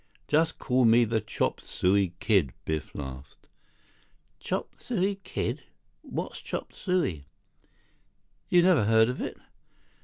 "Just call me the Chop Suey Kid," Biff laughed. "Chop Suey Kid? What's chop suey?" "You never heard of it?"